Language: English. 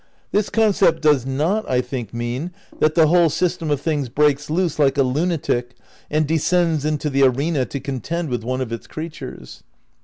This concept does not, I think, mean that the whole system of things breaks loose like a lunatic and '' descends into the arena to contend with one of its creatures."